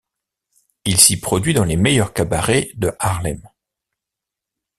Il s'y produit dans les meilleurs cabarets de Harlem...